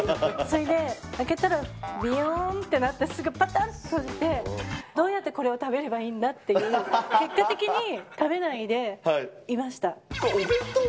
それで、開けたらびよーんってなって、すぐぱかって閉じて、どうやってこれを食べればいいんだっていう、結果的に食べないでいました。